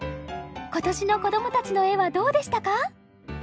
今年の子どもたちの絵はどうでしたか？